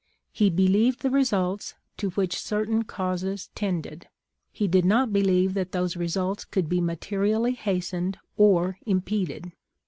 He believed the results to which certain causes tended ; he did not believe that those results could be mate rially hastefied or impeded.